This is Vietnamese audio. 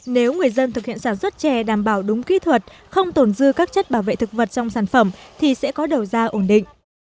nếu người dân thực hiện sản xuất chè đảm bảo đúng kỹ thuật không tồn dư các chất bảo vệ thực vật trong sản phẩm thì sẽ có đầu ra ổn định